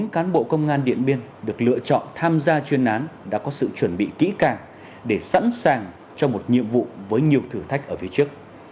một mươi cán bộ công an điện biên được lựa chọn tham gia chuyên án đã có sự chuẩn bị kỹ càng để sẵn sàng cho một nhiệm vụ với nhiều thử thách ở phía trước